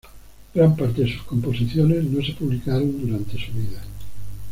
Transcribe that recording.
Gran parte de sus composiciones no se publicaron durante su vida.